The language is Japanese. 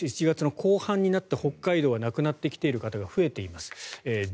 １月の後半になって北海道は亡くなってきている方が増えています。